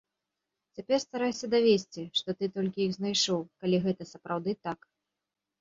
Цяпер старайся давесці, што ты толькі іх знайшоў, калі гэта сапраўды так.